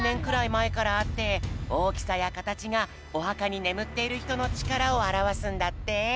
まえからあっておおきさやかたちがおはかにねむっているひとのちからをあらわすんだって。